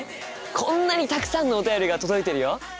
こんなにたくさんのお便りが届いてるよ！